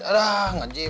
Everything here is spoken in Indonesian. aduh gak jauh